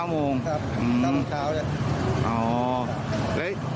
๙โมงอืมอ๋อเห้ย